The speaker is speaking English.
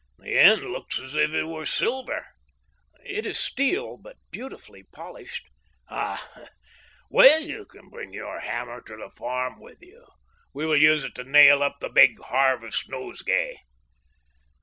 " The end looks as if it were silver." ^It is steel, but beautifully polished." " Ah ! well, you can bring your hammer to the farm with you. Wfc will use it to nail up the big harvest nosegay."